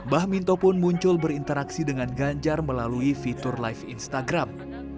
bah minto pun muncul berinteraksi dengan ganjar melalui fitur live instagram